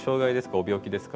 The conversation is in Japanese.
ご病気ですか？